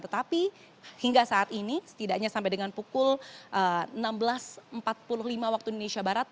tetapi hingga saat ini setidaknya sampai dengan pukul enam belas empat puluh lima waktu indonesia barat